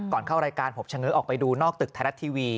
เข้ารายการผมเฉง้อออกไปดูนอกตึกไทยรัฐทีวี